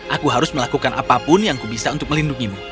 aku harus melakukan apapun yang aku bisa untuk melindungimu